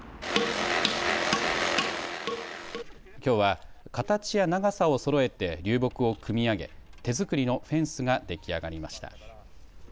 きょうは形や長さをそろえて流木を組み上げ手作りのフェンスが出来上がりました。